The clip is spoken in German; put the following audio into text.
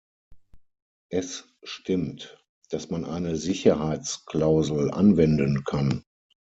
Es stimmt, dass man eine Sicherheitsklausel anwenden kann.